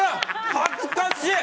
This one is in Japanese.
恥ずかしい！